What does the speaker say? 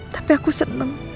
tapi aku seneng